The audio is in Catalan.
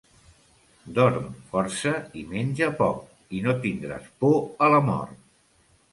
Dorm força i menja poc i no tindràs por a la mort.